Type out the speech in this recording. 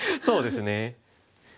そうですね。